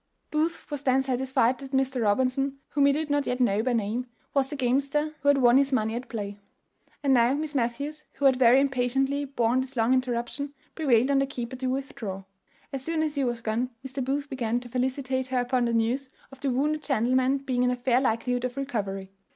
Booth was then satisfied that Mr. Robinson, whom he did not yet know by name, was the gamester who had won his money at play. And now Miss Matthews, who had very impatiently borne this long interruption, prevailed on the keeper to withdraw. As soon as he was gone Mr. Booth began to felicitate her upon the news of the wounded gentleman being in a fair likelihood of recovery.